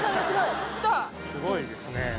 すごいですね。